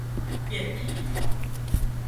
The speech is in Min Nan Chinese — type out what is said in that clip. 變移